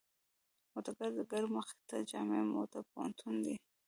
د موته د ډګر مخې ته جامعه موته پوهنتون دی.